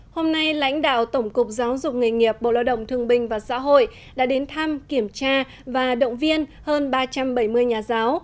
hôm nay lãnh đạo tổng cục giáo dục nghề nghiệp bộ lao động thương binh và xã hội đã đến thăm kiểm tra và động viên hơn ba trăm bảy mươi nhà giáo